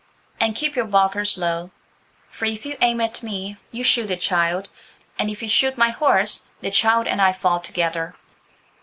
And keep your barkers low, for if you aim at me you shoot the child. And if you shoot my horse, the child and I fall together."